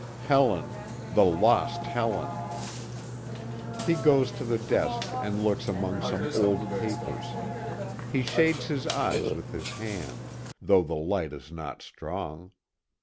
Helen, the lost Helen! He goes to the desk and looks among some old papers. He shades his eyes with his hand though the light is not strong.